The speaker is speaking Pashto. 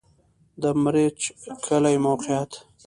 د مريچ کلی موقعیت